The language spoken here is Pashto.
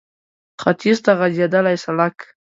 ختيځ ته غځېدلی سړک